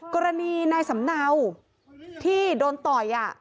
กรณีนายสำเนาที่โดนต่อย